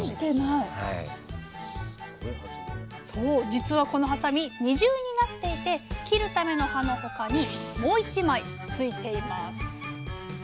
じつはこのはさみ二重になっていて切るための刃のほかにもう１枚ついています。